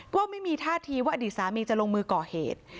ก็ไม่มีท่าทีว่าอดีตสามีจะลงมือก่อเหตุ